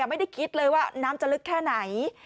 ไม่ได้คิดเลยว่าน้ำจะลึกแค่ไหน